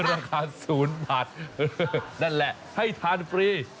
ข้าวราดแกงราคา๐บาทนั่นแหละให้ทานฟรี